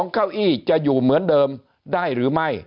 เก้าอี้จะอยู่เหมือนเดิมได้หรือไม่